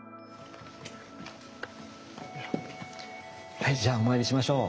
はいじゃあお参りしましょう。